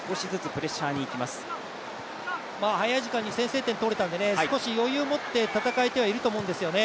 早い時間に先制点が取れたので少し余裕を持って戦えていると思うんですよね。